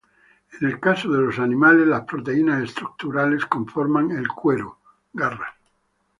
En el caso de los animales, las proteínas estructurales conforman el cuero, garras.